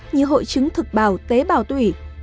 như hội chứng thực bào tế bào tủy